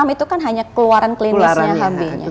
enam itu kan hanya keluaran klinisnya hb nya